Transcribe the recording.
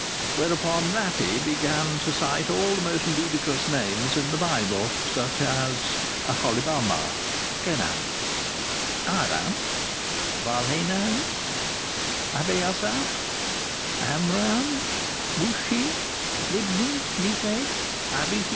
Whereupon Rappey began to cite all the most ludicrous names in the Bible, such as Aholibamah, Kenaz, Iram, Baalhanan, Abiasaph, Amram, Mushi, Libni, Nepheg, Abihu.